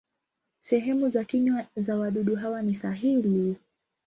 Sehemu za kinywa za wadudu hawa ni sahili.